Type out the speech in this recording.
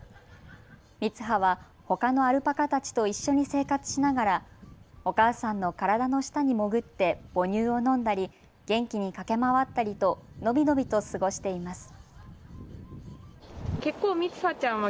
みつはは、ほかのアルパカたちと一緒に生活しながらお母さんの体の下に潜って母乳を飲んだり元気に駆け回ったりと伸び伸びと過ごしています。